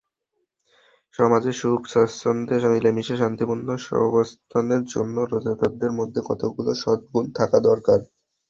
সমাজে সুখে-স্বাচ্ছন্দ্যে মিলেমিশে শান্তিপূর্ণ সহাবস্থানের জন্য রোজাদারদের মধ্যে কতগুলো সদ্গুণ থাকা দরকার।